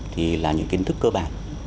thì là những kiến thức cơ bản